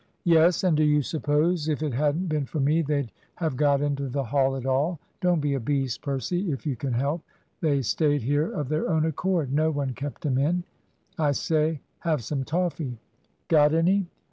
"Yes; and do you suppose if it hadn't been for me they'd have got into the Hall at all? Don't be a beast, Percy, if you can help. They stayed here of their own accord. No one kept them in. I say, have some toffee?" "Got any?"